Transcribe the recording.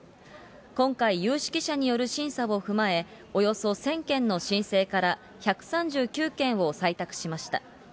今回、有識者による審査を踏まえ、およそ１０００件の申請から、１３９件を採択しました。